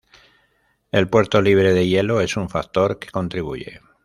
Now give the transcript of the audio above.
El puerto libre de hielo es un factor que contribuye.